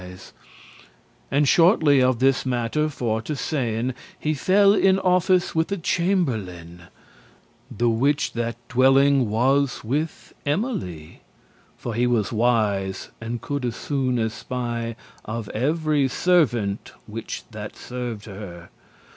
*order And, shortly of this matter for to sayn, He fell in office with a chamberlain, The which that dwelling was with Emily. For he was wise, and coulde soon espy Of every servant which that served her.